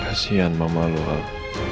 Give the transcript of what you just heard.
kasihan mama lu al